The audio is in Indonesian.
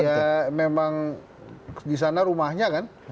ya memang di sana rumahnya kan